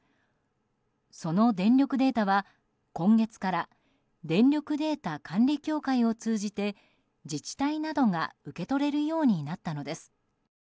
その電力データは、今月から電力データ管理協会を通じて自治体などが受け取れるようになったのです。